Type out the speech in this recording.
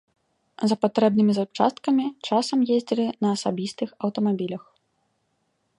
За патрэбнымі запчасткамі часам ездзілі на асабістых аўтамабілях.